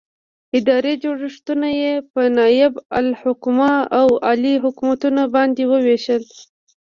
ادارې جوړښت یې په نائب الحکومه او اعلي حکومتونو باندې وویشه.